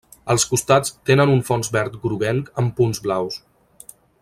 Els costats tenen un fons verd groguenc amb punts blaus.